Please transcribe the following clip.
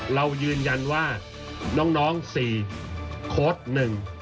เรายืนยันว่าน้อง๔โค้ดหนึ่ง